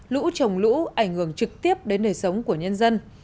lũ trồng lũ ảnh hưởng trực tiếp đến đời sống của nhân dân